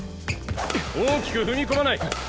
大きく踏み込まない。